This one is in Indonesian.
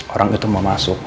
orang itu mau masuk